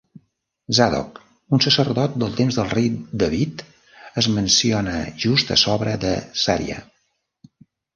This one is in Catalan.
Zadok, un sacerdot dels temps del rei David, es menciona just a sobre de Zariah.